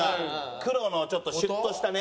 黒のちょっとシュッとしたね。